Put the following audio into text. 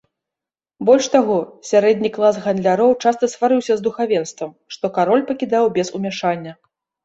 Больш таго, сярэдні клас гандляроў часта сварыўся з духавенствам, што кароль пакідаў без умяшання.